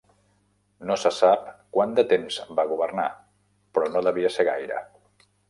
No se sap quant de temps va governar, però no devia ser gaire.